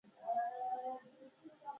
ما په جرمني ژبه غږ وکړ چې راوځه څوک یې